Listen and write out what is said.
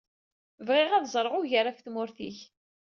Bɣiɣ ad ẓṛeɣ ugar ɣef tmurt-ik.